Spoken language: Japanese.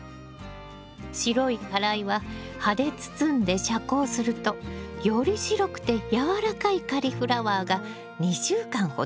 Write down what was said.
白い花蕾は葉で包んで遮光するとより白くてやわらかいカリフラワーが２週間ほどで収穫できるわよ。